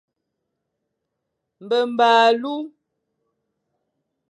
Mbemba alu.